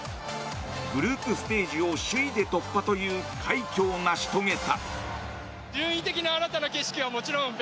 グループステージを首位で突破という快挙を成し遂げた。